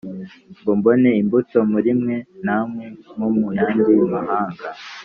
ngo mbone imbuto muri mwe namwe nko mu yandi mahanga